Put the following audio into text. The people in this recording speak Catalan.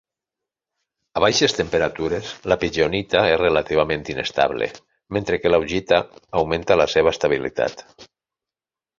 A baixes temperatures la pigeonita és relativament inestable mentre que l'augita augmenta la seva estabilitat.